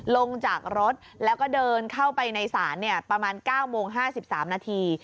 ลงจากรถแล้วก็เดินเข้าไปในศาลประมาณ๙โมง๕๓นาที